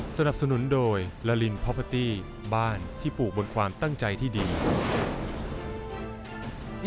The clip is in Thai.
สนับสนุนโดยลาลินพอพาตี้บ้านที่ปลูกบนความตั้งใจที่ดี